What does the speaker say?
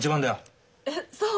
えっそう？